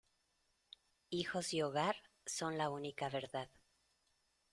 Hijos y hogar, son la única verdad.